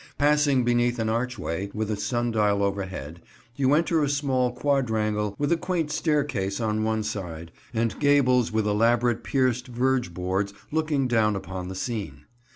Passing beneath an archway with a sundial overhead, you enter a small quadrangle with a quaint staircase on one side, and gables with elaborate pierced verge boards looking down upon the scene.